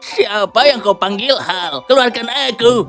siapa yang kau panggil hal keluarkan aku